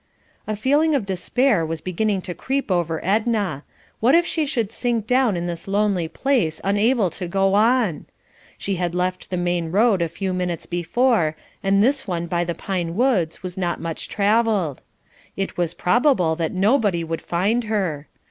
A feeling of despair was beginning to creep over Edna. What if she should sink down in this lonely place unable to go on. She had left the main road a few minutes before, and this one by the pine woods was not much travelled. It was probable that nobody would find her.